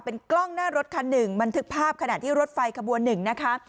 เป็นกล้องหน้ารถคันหนึ่งบันทึกภาพขณะที่รถไฟขบวนหนึ่งนะคะ